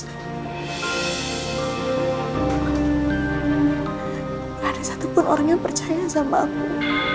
tidak ada satupun orang yang percaya sama aku